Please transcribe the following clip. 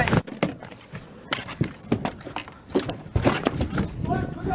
กิจสิทธิ์